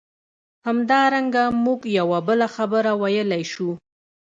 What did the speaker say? همدارنګه موږ یوه بله خبره ویلای شو.